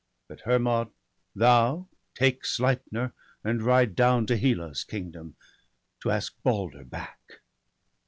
But Hermod, thou, take Sleipner, and ride down To Hela's kingdom, to ask Balder back.'